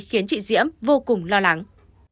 khiến chị diệm vô cùng lo lắng